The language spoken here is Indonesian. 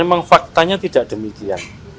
memang faktanya tidak demikian